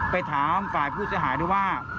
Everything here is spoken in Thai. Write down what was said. ไปถามฝ่ายผู้เสียหายด้วยว่า